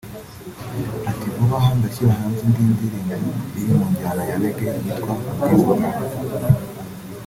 Ati “Vuba aha ndashyira hanze indi ndirimbo iri mu njyana ya Reggae yitwa “Ubwiza Bwawe”